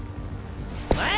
お前！